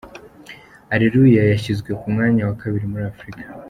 Areruya yashyizwe ku mwanya wa kabiri muri Afurika.